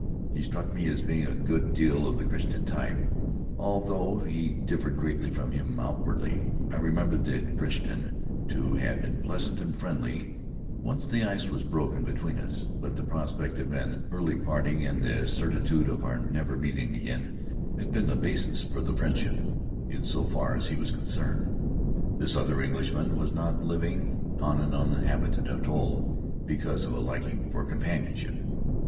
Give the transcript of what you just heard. He struck me as being a good deal of the Crichton type, although he differed greatly from him outwardly. I remembered that Crichton, too, had been pleasant and friendly, once the ice was broken between us; but the prospect of an early parting and the certitude of our never meeting again had been the basis for the friendship in so far as he was concerned. This other Englishman was not living on an uninhabited atoll because of a liking for companionship.